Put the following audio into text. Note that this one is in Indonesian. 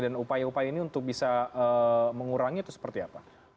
dan upaya upaya ini untuk bisa mengurangi itu seperti apa